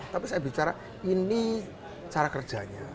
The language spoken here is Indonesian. tapi saya bicara ini cara kerjanya